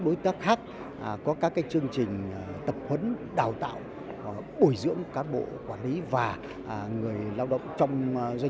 đối tác khác có các chương trình tập huấn đào tạo bồi dưỡng cán bộ quản lý và người lao động trong doanh